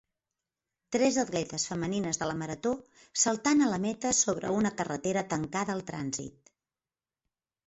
Tres atletes femenines de la marató, saltant a la meta sobre una carretera tancada al trànsit.